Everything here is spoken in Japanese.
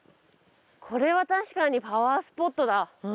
これは確かにパワースポットだ。